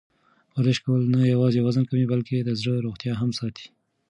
ورزش کول نه یوازې وزن کموي، بلکې د زړه روغتیا هم ساتي.